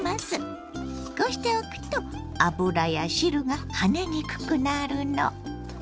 こうしておくと油や汁が跳ねにくくなるの。